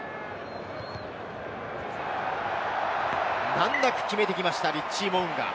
難なく決めてきました、リッチー・モウンガ。